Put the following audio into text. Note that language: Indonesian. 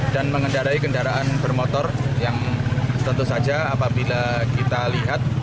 dan mengendarai kendaraan bermotor yang tentu saja apabila kita lihat